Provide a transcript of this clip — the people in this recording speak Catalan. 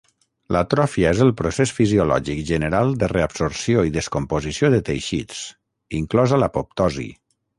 L'atròfia és el procés fisiològic general de reabsorció i descomposició de teixits, inclosa l'apoptosi.